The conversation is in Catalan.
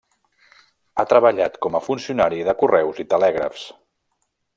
Ha treballat com a funcionari de Correus i Telègrafs.